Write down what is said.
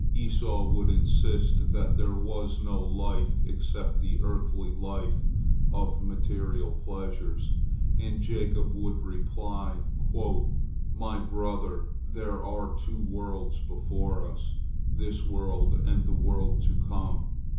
Esau would insist that there was no life except the earthly life of material pleasures, and Jacob would reply: "My brother, there are two worlds before us, this world and the world to come.